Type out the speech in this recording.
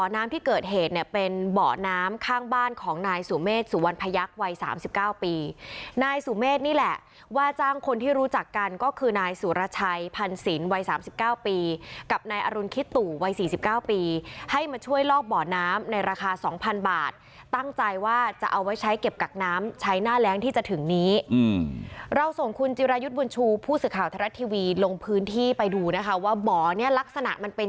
นี่แหละว่าจ้างคนที่รู้จักกันก็คือนายสุรชัยพันศิลป์วัยสามสิบเก้าปีกับนายอรุณคิตุวัยสี่สิบเก้าปีให้มาช่วยลอกเบาะน้ำในราคาสองพันบาทตั้งใจว่าจะเอาไว้ใช้เก็บกักน้ำใช้หน้าแรงที่จะถึงนี้อืมเราส่งคุณจิรายุทธ์บุญชูผู้ศึกข่าวทรัฐทีวีลงพื้นที่ไปดูนะคะว่าเบาะเน